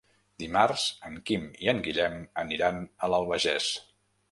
Dimarts en Quim i en Guillem aniran a l'Albagés.